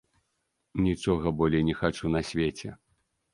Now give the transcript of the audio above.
Нічога болей не хачу на свеце!